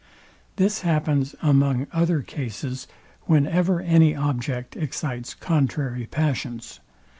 This happens, among other cases, whenever any object excites contrary passions.